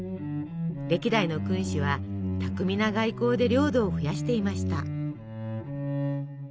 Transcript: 歴代の君主は巧みな外交で領土を増やしていました。